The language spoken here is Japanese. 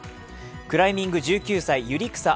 クライミング１９歳、百合草